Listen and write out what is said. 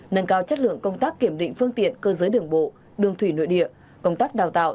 nâng cao chất lượng công tác kiểm định phương tiện cơ giới đường bộ đường thủy nội địa công tác đào tạo